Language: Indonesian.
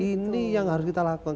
ini yang harus kita lakukan